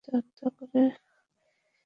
একটু ঠান্ডা মাথায় ভাবার চেষ্টা করো!